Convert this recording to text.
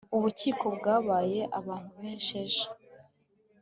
ububiko bwabaye abantu benshi ejo